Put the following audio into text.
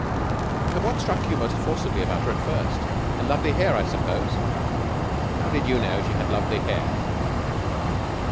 "And what struck you most forcibly about her at first? Her lovely hair, I suppose?" "How did you know she had lovely hair?"